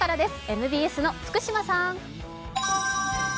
ＭＢＳの福島さん。